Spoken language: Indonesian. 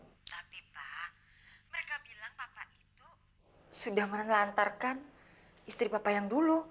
tapi pa mereka bilang papa itu sudah melantarkan istri papa yang dulu